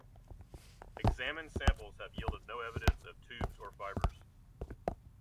Examined samples have yielded no evidence of tubes or fibres.